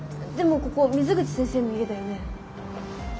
でもここ水口先生の家だよね。